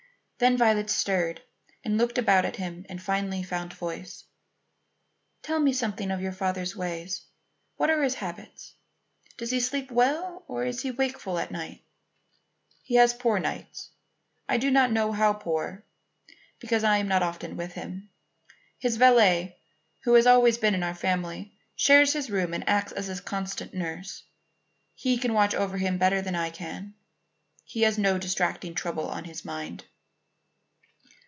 Then Violet stirred and looked about at him and finally found voice. "Tell me something about your father's ways. What are his habits? Does he sleep well or is he wakeful at night?" "He has poor nights. I do not know how poor because I am not often with him. His valet, who has always been in our family, shares his room and acts as his constant nurse. He can watch over him better than I can; he has no distracting trouble on his mind."